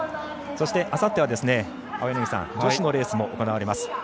そして、あさっては女子のレースも行われます。